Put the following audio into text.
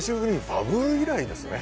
バブル以来ですよね。